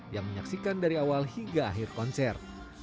yang menyaksikan dari awal hingga akhir konser